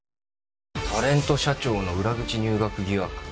タレント社長の裏口入学疑惑。